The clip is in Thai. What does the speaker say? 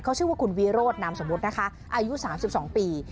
เขาชื่อว่าคุณวิโรธนามสมมุตินะคะอายุ๓๒ปี